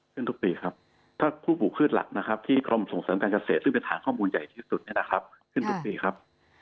ทุกปีครับถ้าผู้ปลูกพืชหลักนะครับที่กรมส่งเสริมการเกษตรซึ่งเป็นฐานข้อมูลใหญ่ที่สุดเนี่ยนะครับขึ้นทุกปีครับ